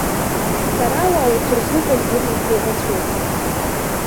Ҳҵарауаа урҭ рзыҳәан ирыҩхьоу рацәоуп.